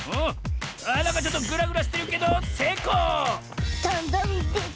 なんかちょっとぐらぐらしてるけどせいこう！